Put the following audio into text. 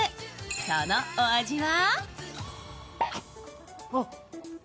そのお味は？